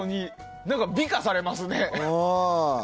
美化されますね。